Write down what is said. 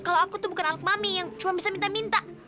kalau aku tuh bukan anak mami yang cuma bisa minta minta